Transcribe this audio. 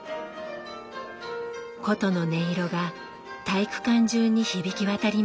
箏の音色が体育館中に響き渡りました。